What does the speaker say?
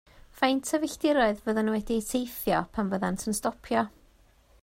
Faint o filltiroedd fyddan nhw wedi eu teithio pan fyddant yn stopio?